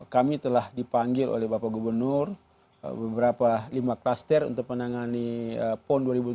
kami telah dipanggil oleh bapak gubernur beberapa lima klaster untuk menangani pon dua ribu dua puluh